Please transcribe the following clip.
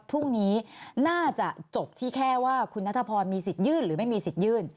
พรุ่งนี้น่าจะจบที่แค่ว่าคุณนัทพรมีสิทธิยื่นหรือไม่มีสิทธิ์ยื่น